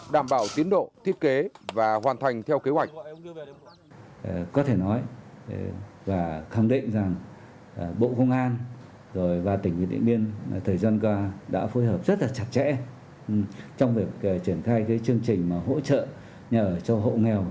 đảm bảo tiến độ thiết kế và hoàn thành theo kế hoạch